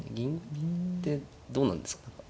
銀ってどうなんですか。